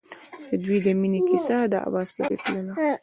د دوی د مینې کیسه د اواز په څېر تلله.